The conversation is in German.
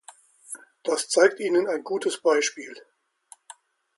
Das zeigt Ihnen ein gutes Beispiel.